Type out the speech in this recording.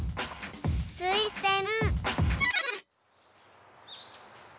すいせん。